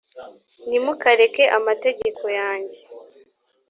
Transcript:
ntimukareke amategeko yanjye